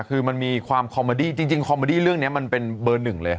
คือมันมีความคอมเมอดี้จริงคอมเมอดี้เรื่องนี้มันเป็นเบอร์หนึ่งเลย